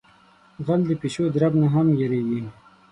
غل د پیشو درب نہ ھم یریگی.